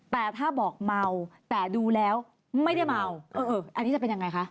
แต่ถ้าบอกเมาแต่ดูแล้วไม่ได้เมาเอออันนี้จะเป็นยังไงคะ